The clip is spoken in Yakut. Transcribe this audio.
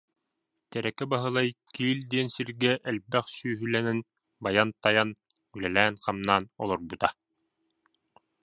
Тэрэкэ Баһылай Киил диэн сиргэ элбэх сүөһүлэнэн байан-тайан, үлэлээн-хамнаан олорбута